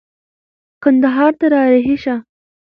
کندهار ته را رهي شه.